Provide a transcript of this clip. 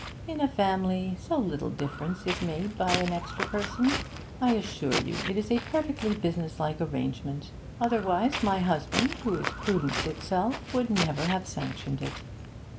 'In a family, so little difference is made by an extra person. I assure you it is a perfectly businesslike arrangement; otherwise my husband, who is prudence itself, would never have sanctioned it.